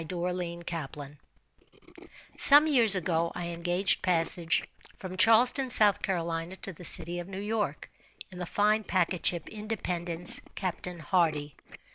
_" THE OBLONG BOX. Some years ago, I engaged passage from Charleston, S. C., to the city of New York, in the fine packet ship "Independence," Captain Hardy.